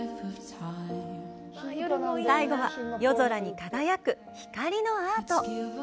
最後は、夜空に輝く「光のアート」。